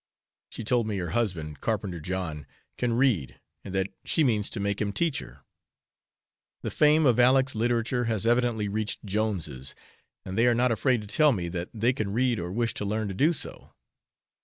She told me her husband, Carpenter John, can read, and that she means to make him teach her. The fame of Aleck's literature has evidently reached Jones's, and they are not afraid to tell me that they can read or wish to learn to do so.